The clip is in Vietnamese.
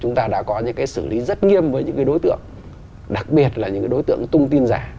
chúng ta đã có những cái xử lý rất nghiêm với những đối tượng đặc biệt là những đối tượng tung tin giả